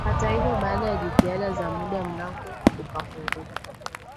Hata hivyo baada ya jitihada za muda mlango ukafunguka